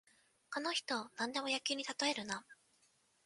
この人、なんでも野球にたとえるな